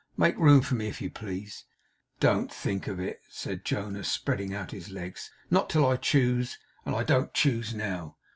Make room for me, if you please.' 'Don't think it!' said Jonas, spreading out his legs. 'Not till I choose. And I don't choose now.